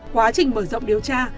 quá trình mở rộng điều tra